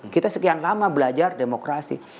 kita sekian lama belajar demokrasi